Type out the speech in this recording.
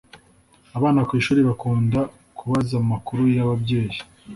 abana ku ishuri bakunda kubaza amakuru ya babyeyi